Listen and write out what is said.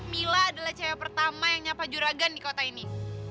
mila adalah cewek pertama yang nyapa juragan di kota ini